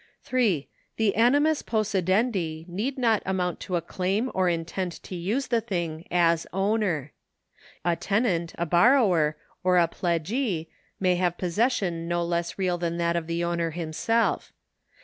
3. The aniynus possidendi need not amount to a claim or intent to use the thing as owner. A tenant, a borrower, or a pledgee may have possession no less real than that of the owner himself.